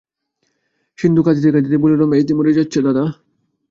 সিন্ধু কাঁদিতে কাঁদিতে বলিল, মেজদি মরে যাচ্ছে দাদা।